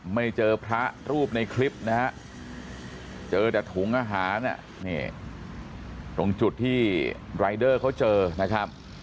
ไม่เจอพระรูปในคลิปนะฮะเจอแต่ถุงอาหารตรงจุดที่รายเดอร์เขาเจอนะครับ